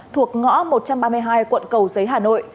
thuộc ngõ một trăm ba mươi hai quận cầu giấy hà nội